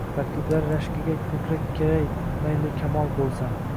Raqiblar rashkiga ko’krak keray, mayli, kamol bo’lsam.